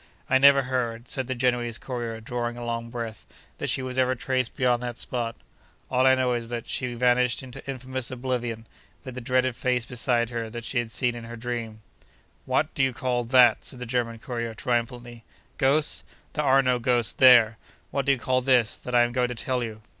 I never heard (said the Genoese courier, drawing a long breath) that she was ever traced beyond that spot. All I know is, that she vanished into infamous oblivion, with the dreaded face beside her that she had seen in her dream. 'What do you call that?' said the German courier, triumphantly. 'Ghosts! There are no ghosts there! What do you call this, that I am going to tell you?